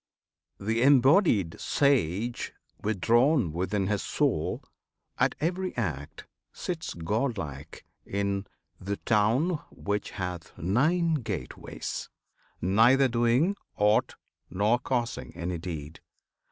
The embodied sage, withdrawn within his soul, At every act sits godlike in "the town Which hath nine gateways,"[FN#9] neither doing aught Nor causing any deed.